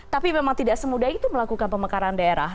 tapi memang tidak semudah itu melakukan pemekaran daerah